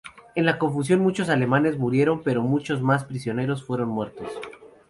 En la confusión, muchos alemanes murieron, pero muchos más prisioneros fueron muertos.